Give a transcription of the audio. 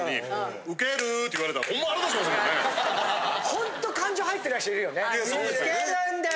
ほんと感情入ってない人いるよね。